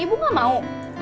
ibu gak mau